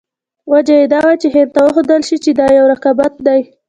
وجه یې دا وه چې هند ته وښودل شي چې دا یو رقابت دی.